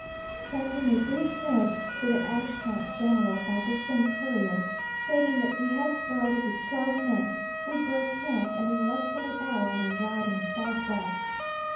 Sending a brief note to the adjutant general by this same courier, stating that we had started with twelve men, we broke camp, and in less than an hour were riding southwest.